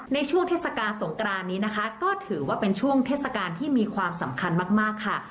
ในช่วงเทศกาลสงกรานนี้นะคะก็ถือว่าเป็นช่วงเทศกาลที่มีความสำคัญมากค่ะ